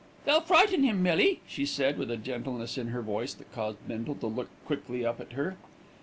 "They'll frighten him, Millie," she said, with a gentleness in her voice that caused Bindle to look quickly up at her.